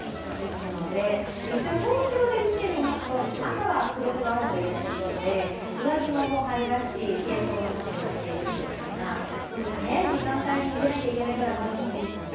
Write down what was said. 一応東京で見てみますと朝は９度ほどあるということで上着も春らしい軽装のものになっているんですが早い時間帯に出なければいけない方は、まだ寒いですかね？